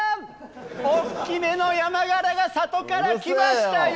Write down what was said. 大っきめのヤマガラが里から来ましたよ！